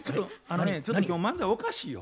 ちょっと今日漫才おかしいよ。